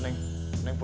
nanti dukung lagi